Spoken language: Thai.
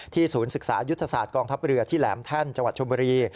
ศูนย์ศึกษายุทธศาสตร์กองทัพเรือที่แหลมแท่นจังหวัดชมบุรี